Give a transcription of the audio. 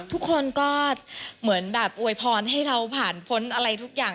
ทุกคนก็เหมือนแบบอวยพรให้เราผ่านพ้นอะไรทุกอย่าง